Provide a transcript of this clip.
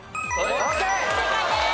正解です。